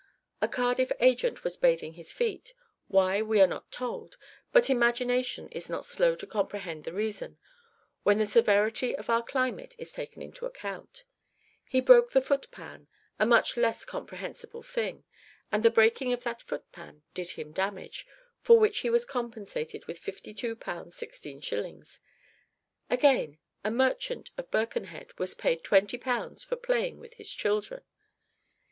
A Cardiff agent was bathing his feet why, we are not told, but imagination is not slow to comprehend the reason, when the severity of our climate is taken into account; he broke the foot pan a much less comprehensible thing and the breaking of that foot pan did him damage, for which he was compensated with 52 pounds, 16 shillings. Again, a merchant of Birkenhead was paid 20 pounds for playing with his children!"